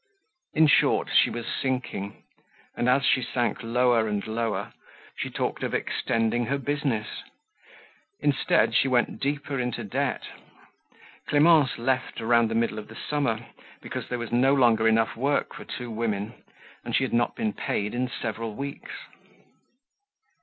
In short, she was sinking, and as she sank lower and lower she talked of extending her business. Instead she went deeper into debt. Clemence left around the middle of the summer because there was no longer enough work for two women and she had not been paid in several weeks.